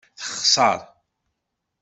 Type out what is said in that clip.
Texṣeṛ.